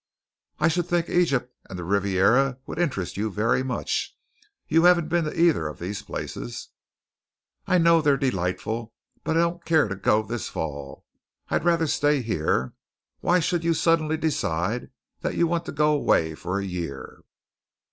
I should think Egypt and the Riviera would interest you very much. You haven't been to either of these places." "I know they're delightful, but I don't care to go this fall. I'd rather stay here. Why should you suddenly decide that you want to go away for a year?"